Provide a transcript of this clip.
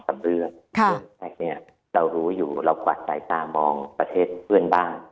สำเรื่องค่ะเรารู้อยู่รอบกว่าสายสาวมองประเทศเพื่อนบ้าง